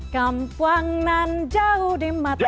kampuangan jauh di mata